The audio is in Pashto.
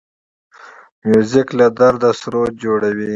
موزیک له درده سرود جوړوي.